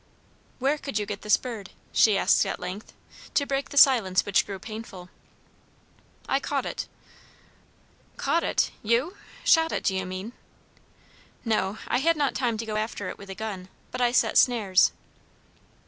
"Where could you get this bird?" she asked at length, to break the silence which grew painful. "I caught it." "Caught it? You! Shot it, do you mean?" "No. I had not time to go after it with a gun. But I set snares."